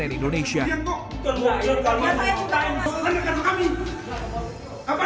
sini pak tempat pengundi saya